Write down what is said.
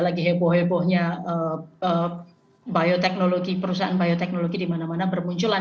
lagi heboh hebohnya bioteknologi perusahaan bioteknologi di mana mana bermunculan